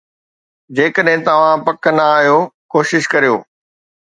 جيڪڏهن توهان پڪ نه آهيو، ڪوشش ڪريو